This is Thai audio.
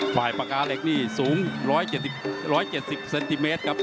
ฝ่ายปากกาเหล็กนี่สูงร้อยเจ็ดสิบร้อยเจ็ดสิบเซนติเมตรครับ